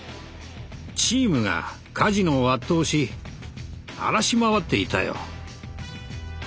チームがカジノを圧倒し荒らし回っていたよ。